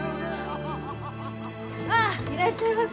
ああいらっしゃいませ！